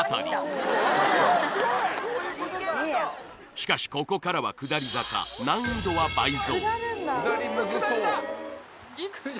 しかしここからは下り坂難易度は倍増下りだ！